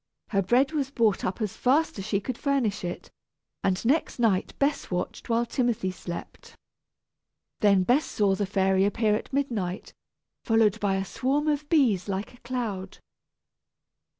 Her bread was bought up as fast as she could furnish it, and next night Bess watched while Timothy slept. Then Bess saw the fairy appear at midnight, followed by a swarm of bees like a cloud.